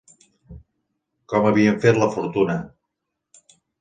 Com havien fet la fortuna